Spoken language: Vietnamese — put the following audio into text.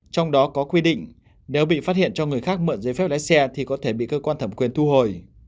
trong đó có quy định nếu bị phát hiện cho người khác mượn giấy phép lái xe thì có thể bị cơ quan thẩm quyền thu hồi